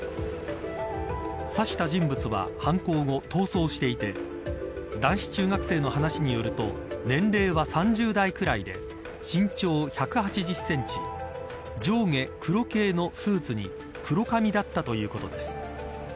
刺した人物は犯行後逃走していて男子中学生の話によると年齢は３０代くらいで身長１８０センチ上下黒系のスーツに黒髪だったということです。